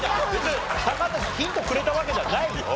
高畑さんヒントくれたわけじゃないよ。